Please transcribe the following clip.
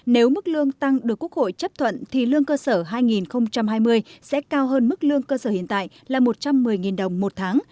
nếu mức lương tăng được quốc hội chấp thuận thì lương cơ sở hai nghìn hai mươi sẽ cao hơn mức lương cơ sở hiện tại là một trăm một mươi đồng một tháng